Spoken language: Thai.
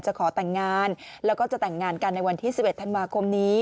ขอแต่งงานแล้วก็จะแต่งงานกันในวันที่๑๑ธันวาคมนี้